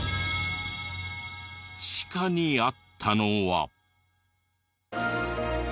地下にあったのは。